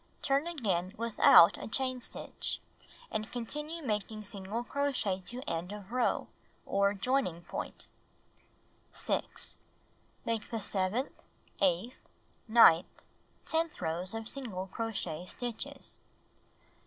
Turn again without a chain stitch, and continue making single crochet to end of row, or joining pomt. 6. Make the seventh, eighth, ninth, tenth rows of single crochet stitches.